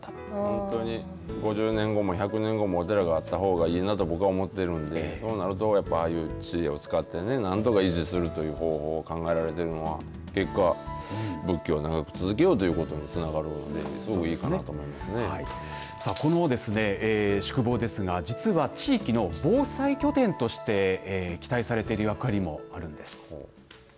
本当に５０年後も１００年後もお寺があったほうがいいなと僕は思っているんで、そうなるとああいう知恵を使って何とか維持するという方法を考えられているのは結果、仏教を長く続けようこのですね、宿坊ですが実は地域の防災拠点として期待されている役割もあるんです。